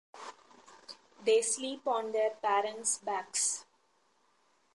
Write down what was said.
They sleep on their parents' backs.